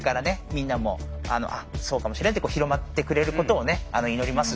みんなもあっそうかもしれないって広まってくれることを祈ります